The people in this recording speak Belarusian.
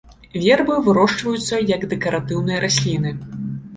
Вербы вырошчваюцца як дэкаратыўныя расліны.